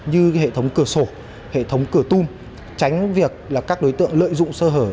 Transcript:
như hệ thống cửa sổ hệ thống cửa tung tránh việc các đối tượng lợi dụng sơ hở